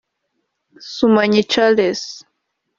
Sumanyi Charles